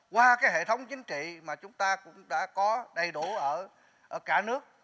qua cái hệ thống chính trị mà chúng ta cũng đã có đầy đủ ở cả nước